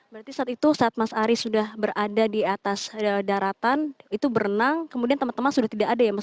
berarti saat itu saat mas ari sudah berada di atas daratan itu berenang kemudian teman teman sudah tidak ada ya mas